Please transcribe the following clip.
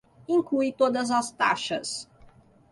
Inclui todas as taxas.